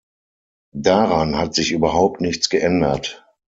Daran hat sich überhaupt nichts geändert!